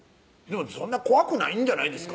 そんな怖くないんじゃないですか